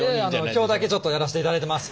今日だけちょっとやらせていただいてます。